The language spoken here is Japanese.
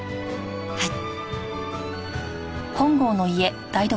はい。